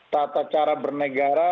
tata cara bernegara